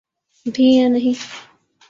بھی یا نہیں۔